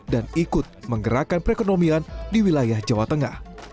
dan ikut menggerakkan perekonomian di wilayah jawa tengah